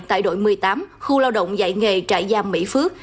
tại đội một mươi tám khu lao động dạy nghề trại giam mỹ phước